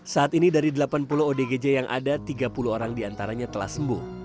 saat ini dari delapan puluh odgj yang ada tiga puluh orang diantaranya telah sembuh